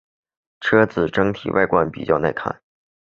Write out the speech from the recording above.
车子整体外观比较耐看。